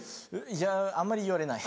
いやあんまり言われない。